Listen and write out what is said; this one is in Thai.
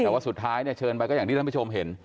แต่ว่าสุดท้ายเนี่ยเชิญไปก็อย่างที่ท่านผู้ชมเห็น